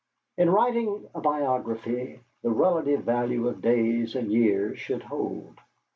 In writing a biography, the relative value of days and years should hold.